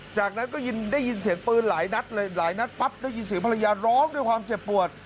จากนั้นก็ได้ยินเสียงปืนหลายนัดเลยหลายนัดปั๊บได้ยินเสียงภรรยาร้องด้วยความเจ็บปวด